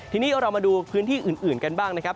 ทีนี้เรามาดูพื้นที่อื่นกันบ้างนะครับ